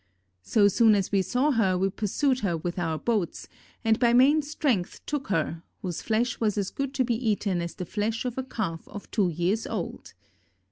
So soon as we saw her we pursued her with our boats, and by maine strength tooke her, whose flesh was as good to be eaten as the flesh of a calf of two yeares old."